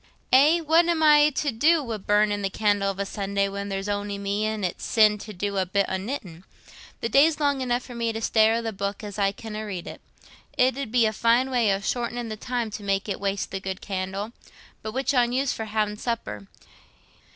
"Eh, what am I to do wi' burnin' candle of a Sunday, when there's on'y me an' it's sin to do a bit o' knittin'? The daylight's long enough for me to stare i' the booke as I canna read. It 'ud be a fine way o' shortenin' the time, to make it waste the good candle. But which on you's for ha'in' supper?